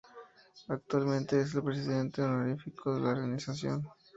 Actualmente es el presidente honorífico de la organización.